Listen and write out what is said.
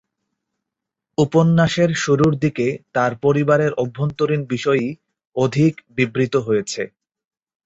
উপন্যাসের শুরুর দিকে, তার পরিবারের অভ্যন্তরীণ বিষয়ই অধিক বিবৃত হয়েছে।